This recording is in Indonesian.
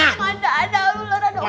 mana ada ular ada ular